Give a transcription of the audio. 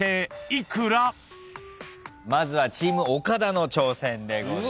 まずはチーム岡田の挑戦でございます。